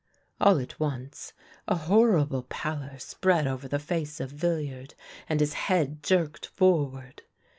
All at once a horrible pallor spread over the face of Villiard, and his head jerked forward.